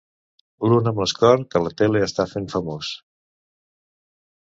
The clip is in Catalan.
L'un amb l'Escort que la tele està fent famós.